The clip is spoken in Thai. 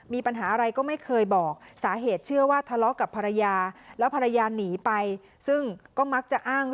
มีปัญหาอะไรก็ไม่เคยบอก